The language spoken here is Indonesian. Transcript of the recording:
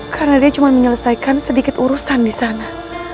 karena dia cuma menyelesaikan sedikit urusan disana